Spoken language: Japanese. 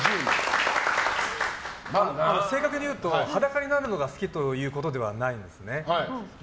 正確にいうと、裸になるのが好きということではないんですね。